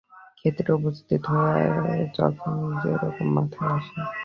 ক্ষেত্রে উপস্থিত হয়ে যখন যেরকম মাথায় আসে।